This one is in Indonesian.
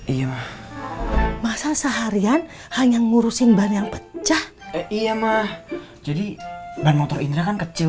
iya masa seharian hanya ngurusin ban yang pecah iya mah jadi ban motor indra kan kecil